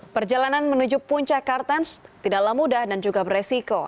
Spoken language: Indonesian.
perjalanan menuju puncak kartens tidaklah mudah dan juga beresiko